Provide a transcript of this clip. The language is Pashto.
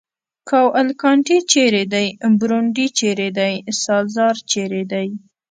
کاوالکانتي چېرې دی؟ برونډي چېرې دی؟ سزار چېرې دی؟